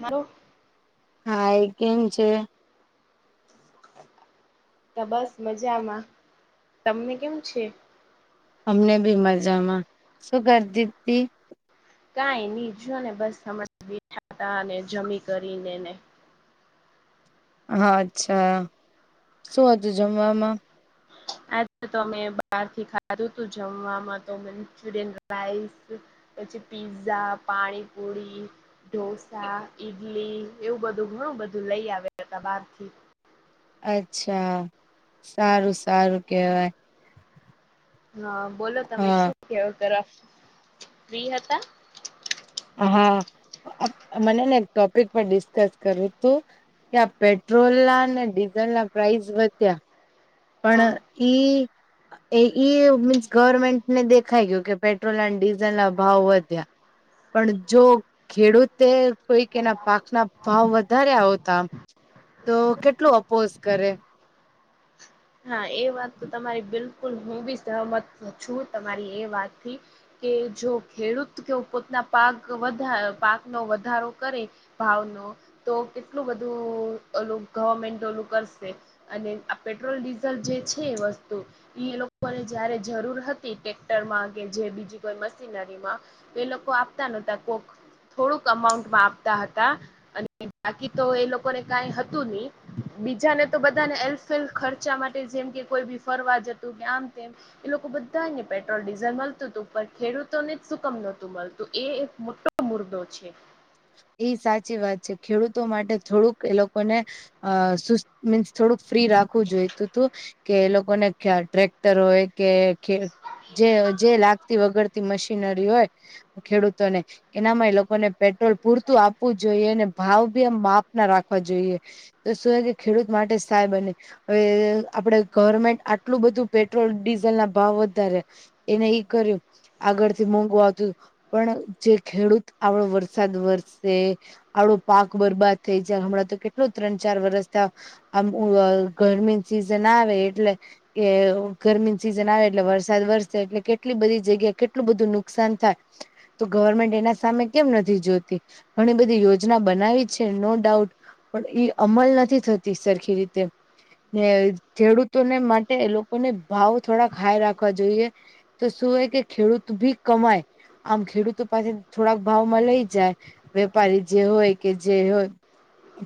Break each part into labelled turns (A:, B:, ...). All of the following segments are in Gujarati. A: મારો
B: હા એ કેમ છે
A: તો બસ મજામાં તમને કેવું છે
B: અમને બી મજામાં શું કરતી હતી
A: કાઈ ની જોો ને બસ હણા બેઠા ત ને જમી કરીને ને
B: હા અચ્છા શું હતું જમવામાં
A: આજે તમે બહારથી ખાધું તું જમવામાં તો મંચુરિયન રાઈસ પછી પીઝા પાણીપુરી ઢોસા ઈડલી એવું બધું ઘણું બધું લઈ આવ હતા બારથી
B: અચ્છા સારું સારું કેહવાય.
A: હા બોલો તમે શું
B: હા
A: કે ત ફ્રી હતા.
B: હા મનેને એક ટોપિક પર ડિસ્કસ કરું હતું. ક્યા પેટ્રોલ ના અને ડીઝલ ના પ્રાઇસ વધ્યા
A: હા
B: પણ ઈ એ ઈ મીન્સ ગવર્મેન્ટને દેખાઈ ગયું કે પેટ્રોલ અને ડીઝલ ના ભાવ વધ્યા પણ જો ખેડૂતે કોઈક એના પાક ના ભાવ વધારે્યા આવતા તો કેટલું અપોઝ કરે
A: હા એ વાત તો તમારી બિલકુલ હું બી સહમત છું તમારી એ વાતથી કે જો ખેડૂત કે પોતાના પાક વધ પાકનો વધારો કરે ભાવ ન તો કેટલું બધું ઓલું ગવર્મેન્ટ ઓલું કરશે અને આ પેટ્રોલ ડીઝલ જે છે વસ્તુ એ લોકોને જયારે જરૂર હતી ટેક્ટરમાં કે જે બીજી કોઈ મશીનરી માં એ લોકો આપતા નહતા કોક થોડુંક અમાઉન્ટમાં આપતા હતા. અને બાકી તો એ લોકોને કઈ હતું નહી બીજાને તો બધાને એલ્ફ ખર્ચા માટે જેમ કે કોઈ બી ફરવા જતું કે આમ તેમ એ લોકો બધાને પેટ્રોલ ડીઝલ મળતું હતું ઉપ ખેડૂતો ને જ સુકમ નહોતું મળતું એ એક મોટું મુર્દો છે.
B: એ સાચી વાત છે ખેડૂતો માટે થોડુંક એ લોકોને અ મીન્સ થોડુંક ફ્રી રાખવું જોઈ તું તું કે એ લોકોને્યા ટ્રેક્ટર હોય કે જે લાગતી વગર મશીનરી હોય ખેડૂતોને એનામાં એ લોકોને પેટ્રોલ પૂરતું આપવું જોઈએ ને ભાવ ભી આમ માપ ના રાખવા જોઈએ તો શું કે ખેડૂત માટે સહાય બને. હવે આપડે ગવર્મેન્ટ આટલું બધું પેટ્રોલ ડીઝલ ના ભાવ વધારે એને એ કર્યું આગળ થી મોંઘું આવતું હતું પણ જે ખેડૂત આવડો વરસાદ વર છે આવડો પાક બરબાદ થઈ જાય હમણાં તો કેટલો ત્રણ ચાર વરસ ત્યાં આમૂલો ગરમીની સિઝન આવે એટલે કે ગરમીની સીઝન આવે એટલે વરસાદ વરસે એટલે કેટ કેટલી બધી જગ્યા કેટલું બધું નુકસાન થાય તો ગવર્મેન્ટ એના સામે કેમ નથી જોતી. ઘણી બધી યોજના બનાવી છે નો ડાઉટ પણ ઈ અમલ નથી થતી સરખી રીતે ને ખેડૂતોને માટે એ લોકોને ભાવ થોડાક હાય રાખવા જોઈએ. તો શું હોય કે ખેડૂત ભી કમાય આમ ખેડૂતો પાસે થોડાક ભાવમાં લઈ જાય વેપારી જે હોય કે જે હોય.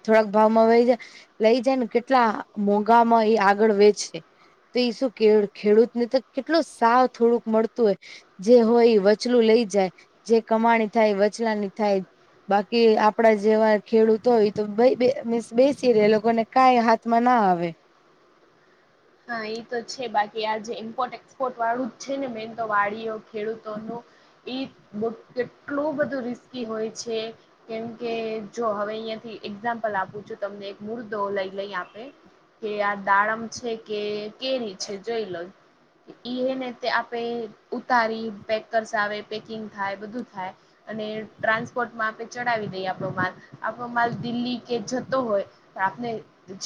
B: થોડાક ભાવમાં વહી જાય લઈ જાય ને કેટલા મોંઘામાં એ આગળ વેચે તો એ શું ખેડૂત ને તો કેટલો સાવ થોડુંક મળતું હોય. જે હોય વચલું લઈ જાય જે કમાણી થાય વચલાની થાય. બાકી આપડા જેવા ખેડૂતો હોય તો બહિ મીસ બેસી રે એ લોકોને કાઈ હાથમાં ના આવે.
A: હા એ તો છે બાકી આજ જે ઇમ્પોર્ટ એક્સપોર્ટ વાળું જ છે ને મેઇન તો વાળીઓ ખેડૂતોનું એ કેટલું બધું રિસ્કી હોય છે. કેમકે જો હવે અહીયાંથી એક્ઝામ્પલ આપું છું તમને એક મુર્દો લઈ લઈ આપે. કે આ દાડમ છે કે કેરી છે જોઈ લો ઈ હેને તે આપે ઉતારી પેકર્સ આવે પેકિંગ થાય બધું થાય. અને ટ્રાન્સપોર્ટમાં આપણે ચડાવી દઈએ આપણો માલ આપણો માલ દિલ્હી કે જતો હોય. આપને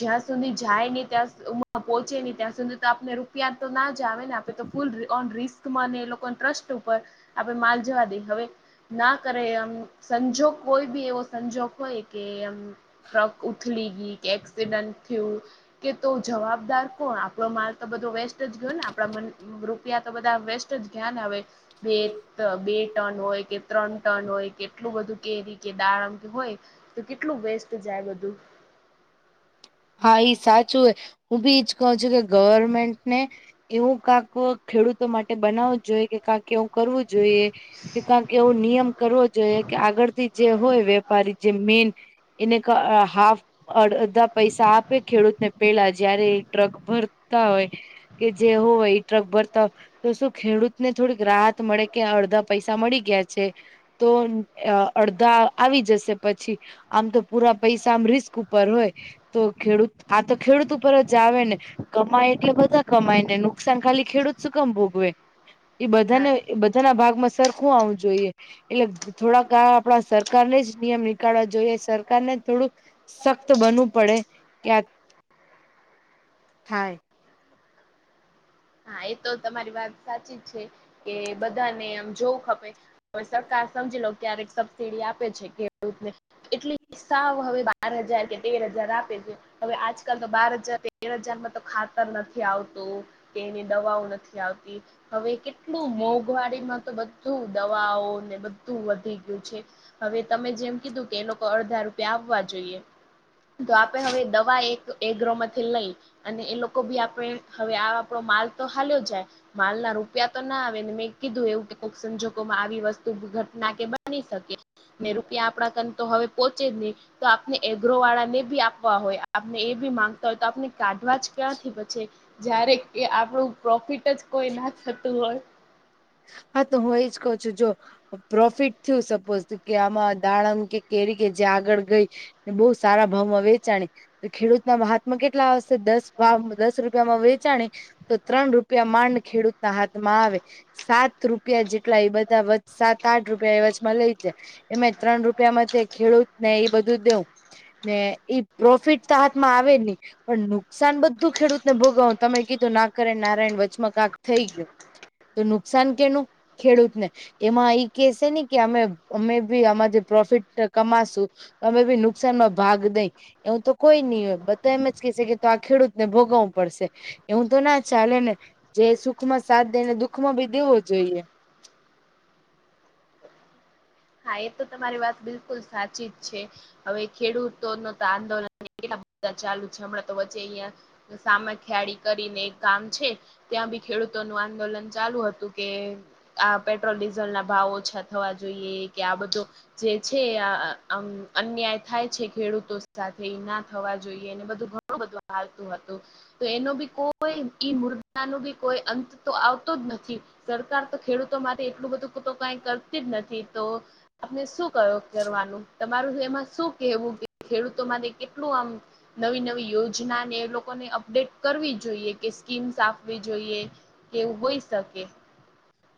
A: જ્યાં સુધી જાય ને ત્યાં હમ્મ પહોંચે નહી ત્યાં સુધી તો આપને રૂપિયા તો ના જ આવે ને આપે તો ફૂલ ઓન રિસ્ક મને એ લોકો ટ્રસ્ટ ઉપર આપડે માલ જવા દઈ હવે ના કરે એમ સંજોગ કોઈ બી એવો સંજોગ હોય કે આમ ટ્રક ઉથલી ગઈ કે એક્સિડન્ટ થયું કે તો જવાબ દાર કોણ આપણો માલ તો બધો વેસ્ટ જ ગયો ને આપણે રૂપિયા તો બધા વેસ્ટ જ ગયા હવે બે બે ટન હોય કે ત્રણ ટન હોય કે કેટલું બધું કેરી કે દારમ કે હોય તો કેટલું વેસ્ટ જાય બધું
B: હા ઈ સાચું હો હું બી જ કહું છું કે ગવર્મેન્ટ ને એવું કાંક ખેડૂતો માટે બનાવું જોઈએ કે કાંક એવું કરવું જોઈએ કે કારણ કે એવો નિયમ કરવો જોઈએ કે આગળથી જે હોય વેપારી જે મેન એનેક હાફ અડધા પૈસા આપે ખેડૂત ને તે પેલા જયારે ટ્રક ભરતા હોય કે જે હોય એ ટ્રક ભરતા હોય તો શું ખેડૂત ને થોડીક રાહત મળે કે અડધા પૈસા મળી ગયા છે તો અડધા આવી જશે પછી આમ તો પૂરા પૈસા આમ રિસ્ક ઉપર હોય તો ખેડૂત આ તો ખેડૂત ઉપર જ આવે ને કમાય એટલે બધા કમાય ને નુકસાન ખાલી ખેડૂત સુકમ ભોગવે એ
A: હા
B: બધાને બધાના ભાગમાં સરખું આવું જોઈએ. એટલે થોડાક આપડા સરકારને જ નિયમ નીકળવા જોઈએ સરકાર ને થોડુંક સખ્ત બનવું પડે ક્યાક [inaudible] થાય.
A: હા એ તો તમારી વાત સાચી જ છે કે બધાને આમ જોવું ખપે પછી સરકાર સમજી લો ક્યારેક સબસિડી આપે છે ખેડૂતને એટલી સાવ હવે બાર હજાર કે તેર હજાર આપે છે. હવે આજકાલ તો બાર હજાર તેર હજારમાં તો ખાતર નથી આવતું તેની દવાઓ નથી આવતી હવે કેટલું મોંઘવારીમાં તો બધું દવાઓ ને બધું વધી ગયું છે. હવે તમે જેમ કીધું કે એ લોકો અડધા રૂપિયા આવવા જોઈએ તો આપડે હવે દવા એક એગ્રોમાંથી લઈ અને એ લોકો ભી આપણે હવે આ આપણો માલ તો હાલ્યો જાય માલ ના રૂપિયા તો ના આવે ને મેં કીધું એવું કે કોઈક સંજોગોમાં આવી વસ્તુ ઘટના કે બની શકે ને રૂપિયા આપણા કન તો હવે પોહોંચે જ નહીં તો આપને એગ્રો વાળા ને બી આપવા હોય આપને એ બી માંગતા હોય તો આપને કાઢવા જ ક્યાંથી પછી જયારે આપણું પ્રોફિટ જ કોઈ ના થતું હોય
B: હા તો હું એજ કહ છું જો પ્રોફિટ થયું સપોઝ કે આમાં દાડમ કે કેરી કે જે આગળ ગઈ ને બહુ સારા ભાવમાં વેચાણે તો ખેડૂતનાા માં કેટલા આવશે દસ વા દસ રૂપિયામાં વેચા તો ત્રણ રૂપિયા માંડ ખેડૂતના હાથમાં આવે સાત રૂપિયા જેટલાઈ બધ બ વ સાત આઠ રૂપિયા એવજમાં લઈ જાય એમે ત્રણ રૂપિયામાં ખેડૂત ને એ બધું દેવું ને ઈ પ્રોફિટ ત હાતમાં આવે નહી પણ નુકસાન બધું ખેડૂતને ભોગવ તમે કીધું નાકરે નારાયણ વચમાં કક થઈ ગયો તો નુકસાન કેનું ખેડૂતને એમાં એઈ કેસે ને કે અમે અમે બી આમા જે પ્રોફિટ કમાશુ તમે ભી નુકસાનમાં ભાગ દઈ એવું તો કોઈ નહી હોય બધા એમ જ ક છે કે તો આ ખેડૂતને ભોગવવું પડશે એવું તો ના ચાલે ને જે સુખમાં સાથ દે ને દુખ માં બી દેવો જોઈએ
A: હા એ તો તમારી વાત બિલકુલ સાચી જ છે હવે ખેડૂતો ન તો આંદોલન કેટલા બધા ચાલુ છે હમણાં તો વચ્ચે અહિયાં સામે ખિયાળ કરીને એક કામ છે ત્યાં બી ખેડૂતોનું આંદોલન ચાલુ હતું કે આ પેટ્રોલ ડીઝલ ના ભાવ ઓછા થવા જોઈએ કે આ બધો જે છે અન્યાય થાય છે ખેડૂતો સાથે ના થવા જોઈએ અને બધું ઘણું બધું હાલતું હતું તો એનો બી કોઈ ઈ મુર્દા નું બી કોઈ અંત તો આવતો જ નથી. સરકાર તો ખેડૂતો માટે એટલું બધું કઈ કરતી જ નથી. તો આપને શું ક કરવાનું તમારું એમાં શું કેવું કે ખેડૂતો માટે કેટલું આમ નવી નવી યોજનાને એ લોકોને અપડેટ કરવી જોઈએ કે સ્કીમ્સ આપવી જોઈએ કેવું હોઈ શકે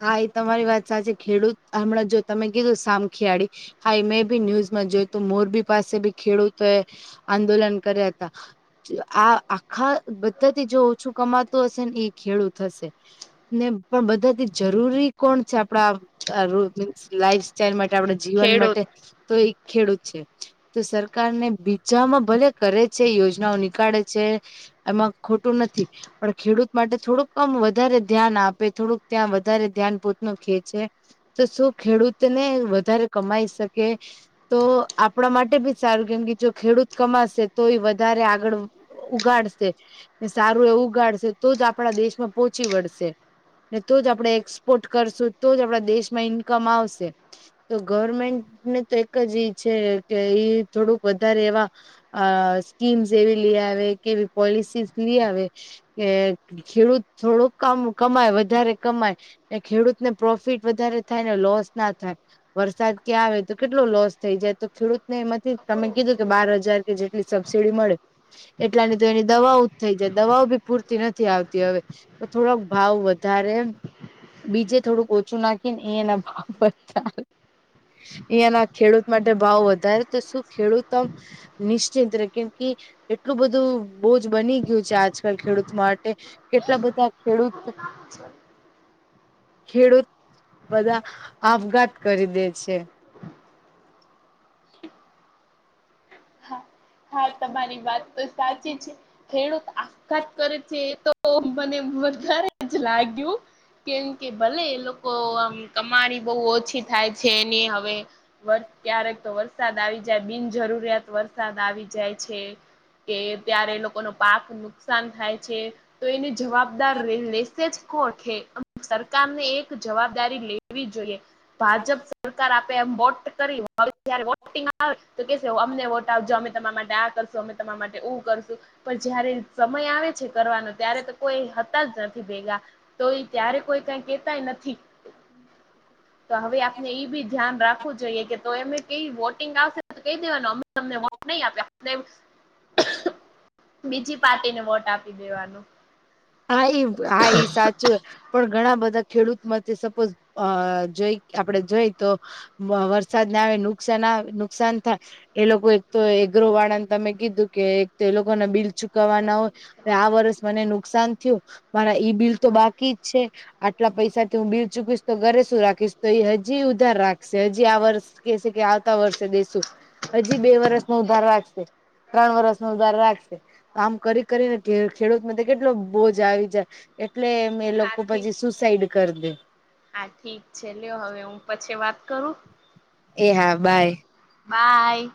B: હા એ તમારી વાત સાચી ખેડૂત હમણાં જો તમે કીધું સામખિયાળી હા એ મેં ભી ન્યૂઝમાં જોય તું મોરબી પાસે ભી ખેડૂતોએ આંદોલન કર્યા હતા આ આખા બધાથી જો ઓછું કમાતું હશે ને એ ખેડૂત હશે ને પણ બધા જરૂરી કોણ છે આપ ડા મીન્સ લાઈફ સાઈલ માટે આપણા જીવન
A: ખેડૂત
B: માટે તો એક ખેડૂત છે. તો સરકાર ને બીજામાં ભલે કરે છે યોજનાઓ નીકાળે છે. એમાં ખોટું નથી પણ ખેડૂત માટે થોડુંકમ વધારે ધ્યાન આપે થોડુંક ત્યાં વધારે ધ્યાન પોત નખે છેે. તો શું ખેડૂતને વધારે કમાઈ શકે તો આપણા માટે ભી સારું કેમ કે જો ખેડૂત કમાશે તો એ વધારે આગળ ઉગાડશે સારું એવું ઉગાડશે તો જ આપણા દેશમાં પોહોંચી વળશે ને તો જ આપડે એક્સપોર્ટ કરશું તો જ આપડા દેશમાં ઈન્કમ આવશે. તો ગવર્મેન્ટને તો એક જ ઈ છે કે થોડુંક વધારે એવા અ સ્કીમ્સ એવી લઈ આવે કે એવી પોલિસીઝ લી આવે કે ખેડૂત થોડુંક આમ કમાય વધારે કમાય ખેડૂત ને પ્રોફિટ વધારે થાય ને લોસ ના થાય. વરસાદ કે આવે તો કેટલો લોસ થઈ જાય તો ખેડૂત ને એમાંથી તમે કીધું કે બાર હજાર જેટલી સબસિડી મળે. એટલાની તો એની દવાઓ જ થઈ જાય દવાઓ બી પૂરતી નથી આવતી હવે તો થોડાોક ભાવ વ ધારે બીજે થોડુંક ઓછું નાખી ને એ એના ભાવ અહિયાંના ખેડૂત માટે ભાવ વધારે તો શું ખેડૂતો નિશ્ચિત રે કેમ કે એટલું બધું બોજ બની ગયું છે આજકાલ ખેડૂત માટે. કેટલા બધા ખેડૂત
A: અચ્છા
B: ખેડૂત બધા આપઘાત કરી દે છે.
A: હા હા તમારી વાત તો સાચી છે ખેડૂત આપઘાત કરે છે એતો મને વધારે જ લાગ્યું. કેમ કે ભલે એ લોકો આમ કમાણી બહુ ઓછી થાય છે એની હવે ક્યારેક તો વરસાદ આવી જાય બિનજરૂરિયાત વરસાદ આવી જાય છે કે ત્યારે લોકોનો પાક નુકસાન થાય છે. તો એની જવાબદાર લેસેજ કોણ સરકાર ને એક જવાબદારી લેવી જોઈએ ભાજપ સરકાર આપે એમ વોટ કરી [unintelligible] આવે તો કે અમને વોટ આપજો અમે તમારા માટે આ કરશું અમે તમારા માટે ઉ કરશું. પણ જયારે સમય આવે છે કરવાનો ત્યારે તો કોઈ હતા જ નથી ભેગા. તો એ ત્યારે કોઈ ક્ય કેતાય નથી.
B: [inaudible]
A: તો હવે આપને એઈ બી ધ્યાન રાખવું જોઈએ કે તો એમે કઈ વોટિંગ આવશે તો કહી દેવાનું તમને વોટ નહી આપ્યે [unintelligible] બીજી પાર્ટીને વોટ આપી દેવાનું.
B: હા એ હા સા ચૂં પણ ઘણા બધા ખેડૂત માટે સપોઝ અ જોઈ આપડે જોઈ તો વરસાદને આવે નુકસાન આવે નુકસાન થાય એ લોકો એક તો એગ્રો વાળાને તમે કીધું કે એક તો એ લોકો ના બિલ ચુકવવા ના હોય આ વર્ષ મને નુકસાન થયું મારા ઈ બિલ તો બાકી જ છે. આટલા પૈસાથી હું બિલ ચૂકીશ તો ઘરે શું રાખીશ તો એ હજી ઉધાર રાખ હજી આ વર્ષ કે છે કે આવતા વર્ષે દેશું હજી બે વરસ નો ઉધાર રાખશે ત્રણ વરષ નો ઉધાર રાખશે આમ કરી કરીને ખેડૂત કેટલો બોજ આવી જાય એટલે એમ એ
A: હા
B: લોકો
A: ઠીક
B: પછી શ સાઈડ કર દે.
A: હા ઠીક છે લ્યો હવે હું પછી વાત કરું?
B: એ હા બાય.
A: બાય.